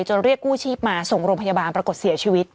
เรียกกู้ชีพมาส่งโรงพยาบาลปรากฏเสียชีวิต